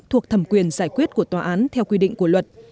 thuộc thẩm quyền giải quyết của tòa án theo quy định của luật